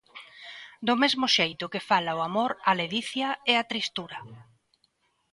Do mesmo xeito que fala o amor, a ledicia e a tristura.